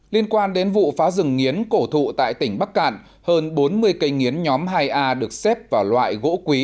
liên quan đến vụ phá rừng nghiến cổ thụ tại tỉnh bắc cạn hơn bốn mươi cây nghiến nhóm hai a được xếp vào loại gỗ quý